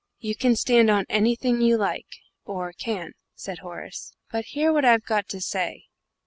"You can stand on anything you like or can," said Horace; "but hear what I've got to say.